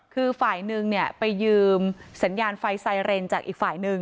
คือฝ่ายหนึ่งไปยืมสัญญาณไฟไซเรนจากอีกฝ่ายหนึ่ง